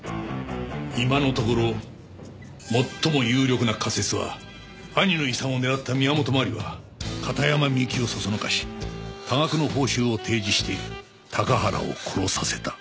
今のところ最も有力な仮説は兄の遺産を狙った宮本真理は片山みゆきをそそのかし多額の報酬を提示して高原を殺させた。